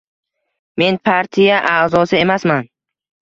Men partiya a’zosi emasman.